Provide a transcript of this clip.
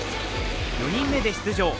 ４人目で出場。